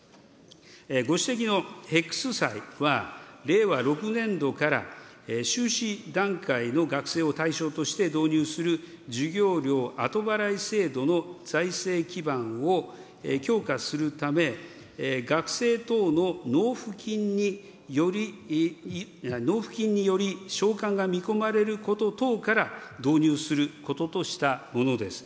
ご指摘のヘックス債は、令和６年度から修士段階の学生を対象として導入する授業料後払い制度の財政基盤を強化するため、学生等の納付金により償還が見込まれること等から導入することとしたものです。